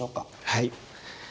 はい。